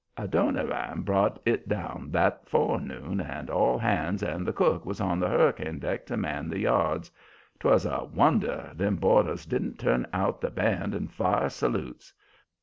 Adoniram brought it down that forenoon and all hands and the cook was on the hurricane deck to man the yards. 'Twas a wonder them boarders didn't turn out the band and fire salutes.